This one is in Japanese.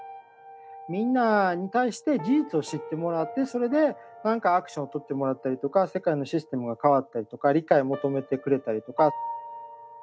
みんなに対して事実を知ってもらってそれでなんかアクションをとってもらったりとか世界のシステムが変わったりとか理解を求めてくれたりとか。